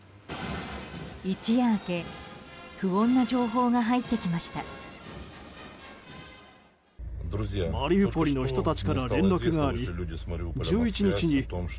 一夜明け不穏な情報が入ってきました。